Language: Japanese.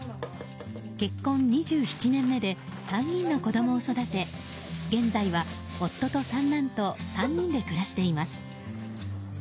結婚２７年目で３人の子供を育て現在は夫と三男と３人で暮らしています。